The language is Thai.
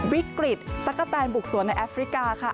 วิกฤตตะกะแตนบุกสวนในแอฟริกาค่ะ